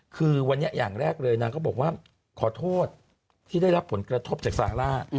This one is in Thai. คือวันนี้อย่างแรกเลยนางก็บอกว่าขอโทษที่ได้รับผลกระทบจากซาร่า